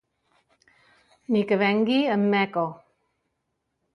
Ni que vingui en Meco.